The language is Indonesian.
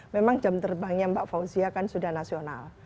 memang jam terbangnya mbak fauzia kan sudah nasional